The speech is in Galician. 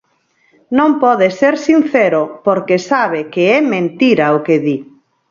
Non pode ser sincero, porque sabe que é mentira o que di.